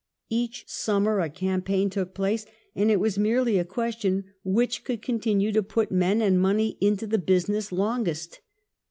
Each summer a campaign took place, and it was merely a question which could continue to put men and money into the business longest.